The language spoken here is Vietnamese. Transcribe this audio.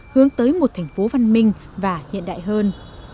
hướng tới một thành phố văn minh và hiện đại hơn